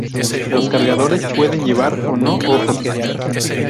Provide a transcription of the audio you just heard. Los cargadores pueden llevar o no ojos.